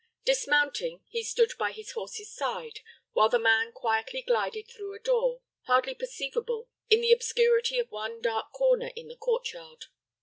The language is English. Dismounting, he stood by his horse's side, while the man quietly glided through a door, hardly perceivable in the obscurity of one dark corner in the court yard.